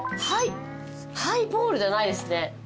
ハイボールじゃないですね。